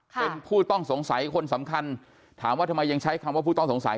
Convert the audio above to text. เป็นผู้ต้องสงสัยคนสำคัญถามว่าทำไมยังใช้คำว่าผู้ต้องสงสัย